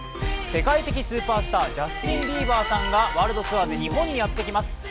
世界的スーパースタージャスティン・ビーバーさんがワールドツアーで日本にやってきます。